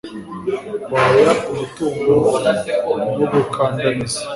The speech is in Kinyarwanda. kwaya umutungo no gukandamiza